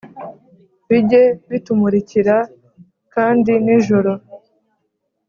bijye bitumurikira kandi nijoro.